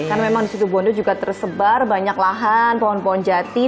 kan memang di situbondo juga tersebar banyak lahan pohon pohon jati